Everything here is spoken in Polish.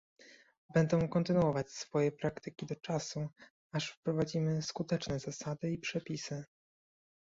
Będą kontynuować swoje praktyki do czasu, aż wprowadzimy skuteczne zasady i przepisy